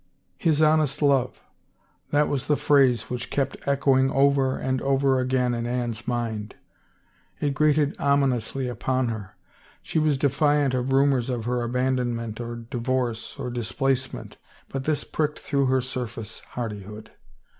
His honest love — that was the phrase which kept echoing over and over again in Anne's mind. It grated ominously upon her. She was defiant of rumors of her abandonment or divorce or displacement but this pricked through her surface hardihood.